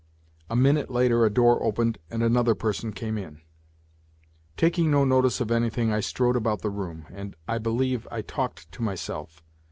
A minute later a door opened and another person came in. Taking no notice of anything I strode about the room, and, I believe, I talked to myself.